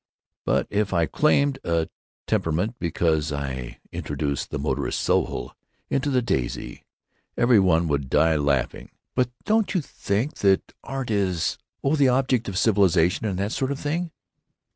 But if I claimed a temperament because I introduce the motorist's soul to the daisy, every one would die laughing." "But don't you think that art is the—oh, the object of civilization and that sort of thing?"